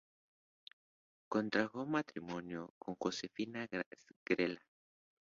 Contrajo matrimonio con Josefina Grela.